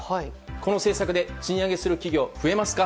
この政策で賃上げする企業は増えますか？